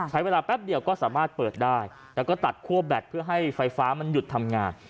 ใช้เวลาแป๊บเดียวก็สามารถเปิดได้แล้วก็ตัดคั่วแบตเพื่อให้ไฟฟ้ามันหยุดทำงาน